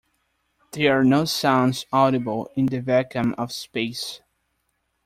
There are no sounds audible in the vacuum of space.